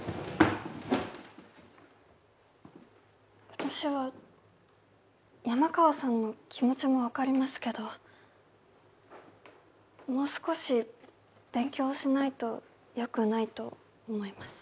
私は山川さんの気持ちも分かりますけどもう少し勉強しないとよくないと思います。